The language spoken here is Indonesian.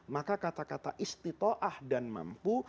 maka kata kata istitoah dan mampu